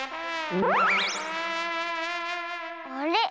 あれ？